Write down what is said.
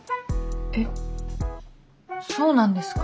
えっそうなんですか？